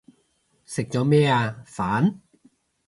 食咗咩啊？飯